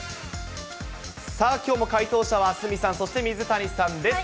さあ、きょうも解答者は鷲見さん、そして水谷さんです。